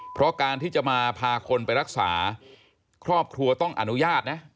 เพราะการที่จะมาพาคนไปรักษาครอบครัวต้องอนุญาตนะ